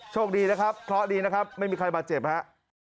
โชคดีนะครับเคาะดีนะครับไม่มีใครมาเจ็บนะครับ